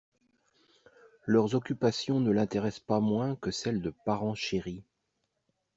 Leurs occupations ne l'intéressent pas moins que celles de parents chéris.